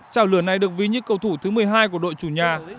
trào lửa này được ví như cầu thủ thứ một mươi hai của đội chủ nhà